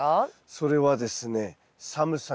それはですね